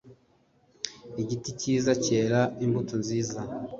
igiti cyiza cyera imbuto nziza